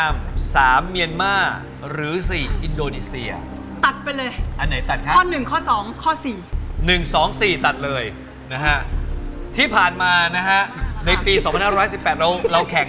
หมอเพื่อนเห็นมาหาผมเลย